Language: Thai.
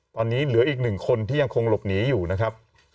ตอนนี้เหลืออีก๑คนที่ยังคงหลบหนีอยู่นะครับ